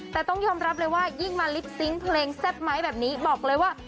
แต่ต้องยอมรับเลยว่ายิ่งมาลิปซิงค์เพลงแซ่บไม้แบบนี้บอกเลยว่า